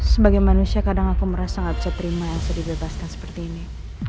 sebagai manusia kadang aku merasa gak bisa terima yang sudah dibebaskan seperti ini